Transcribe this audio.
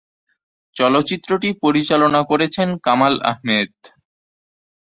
চলচ্চিত্রটি পরিচালনা করেছেন কামাল আহমেদ।